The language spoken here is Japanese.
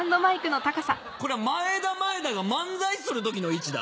これはまえだまえだが漫才する時の位置だ。